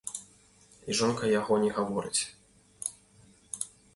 І жонка яго не гаворыць.